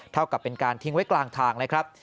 เท่ากับเป็นการทิ้งไว้กลางทางเลยครับ